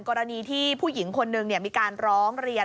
กรณีที่ผู้หญิงคนหนึ่งมีการร้องเรียน